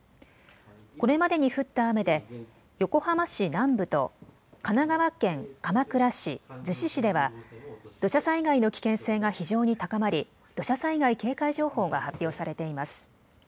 これまでに降った雨で横浜市南部と神奈川県鎌倉市、逗子市では土砂災害の危険性が非常に高まり土砂災害警戒情報が発表されています。